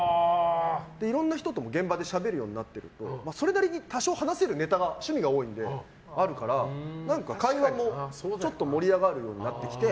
いろんな人と現場でしゃべるようになるとそれなりに多少話せるネタ趣味が多いので会話もちょっと盛り上がるようになってきて。